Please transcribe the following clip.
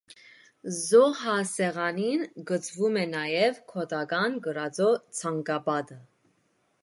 Զոհասեղանին կցվում է նաև գոթական կռածո ցանկապատը։